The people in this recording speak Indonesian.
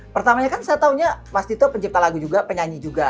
pertamanya kan saya tahunya mas tito pencipta lagu juga penyanyi juga